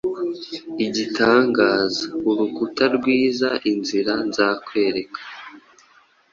Igitangaza urukuta rwiza Inzira Nzakwereka